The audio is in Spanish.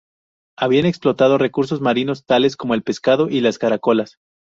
Habían explotado recursos marinos tales como el pescado y las caracolas.